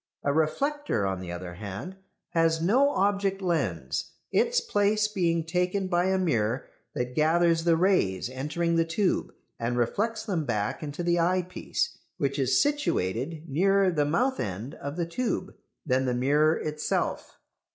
A reflector, on the other hand, has no object lens, its place being taken by a mirror that gathers the rays entering the tube and reflects them back into the eyepiece, which is situated nearer the mouth end of the tube than the mirror itself.